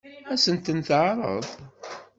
Ad sent-ten-teɛṛeḍ?